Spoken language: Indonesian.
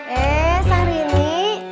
eh sehari ini